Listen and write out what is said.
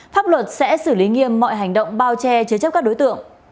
pháp luật sẽ xử lý nghiêm mọi hành động bao che chế chấp các đối tượng